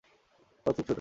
ফুল খুব ছোট।